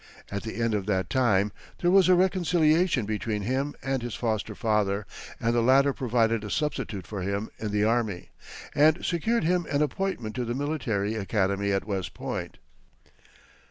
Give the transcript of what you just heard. At the end of that time, there was a reconciliation between him and his foster father, and the latter provided a substitute for him in the army, and secured him an appointment to the military academy at West Point.